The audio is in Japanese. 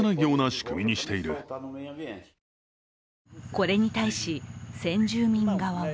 これに対し先住民側は